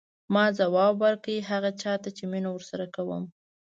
ما ځواب ورکړ هغه چا ته چې مینه ورسره کوم.